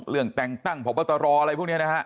เรื่องแต่งตั้งพบตรอะไรพวกนี้นะฮะ